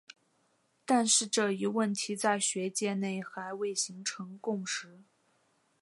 但是这一问题在学界内还未形成共识。